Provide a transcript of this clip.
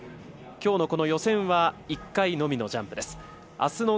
きょうの予選は１回のみのジャンプです。